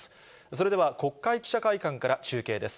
それでは国会記者会館から中継です。